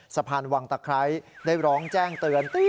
สะพานวังตะไคร้ได้ร้องแจ้งเตือน